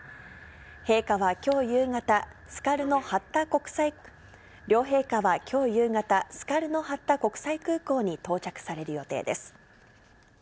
陛下はきょう夕方、両陛下はきょう夕方、スカルノ・ハッタ国際空港に到着される予定です。